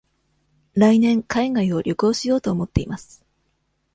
来年海外を旅行しようと思っています。